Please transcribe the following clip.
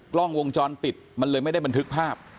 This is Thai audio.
กล้องวงจรปิดมันเลยไม่ได้บันทึกภาพ